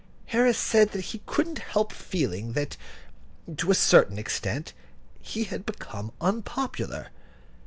Harris said that he couldn't help feeling that, to a certain extent, he had become unpopular.